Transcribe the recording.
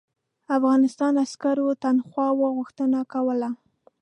افغانستان عسکرو تنخواوو غوښتنه کوله.